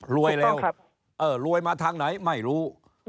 รวยแล้วรวยมาทางไหนไม่รู้